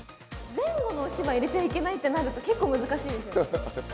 前後のお芝居入れちゃいけないってなると、結構難しいですよね。